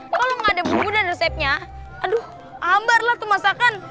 kalau nggak ada bumbu dan resepnya aduh hambarlah tuh masakan